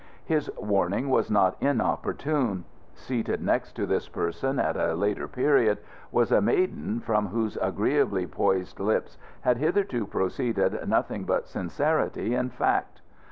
His warning was not inopportune. Seated next to this person at a later period was a maiden from whose agreeably poised lips had hitherto proceeded nothing but sincerity and fact.